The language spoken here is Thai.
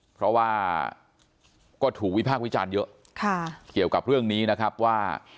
เพราะว่าก็ถูกวิพากษ์วิจารณ์เยอะเกี่ยวกับเรื่องนี้นะครับว่า